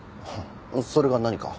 それが何か？